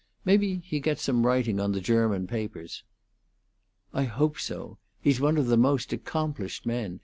Maybe he gets some writing on the German papers." "I hope so. He's one of the most accomplished men!